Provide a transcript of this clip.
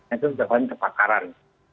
itu sebenarnya kebakaran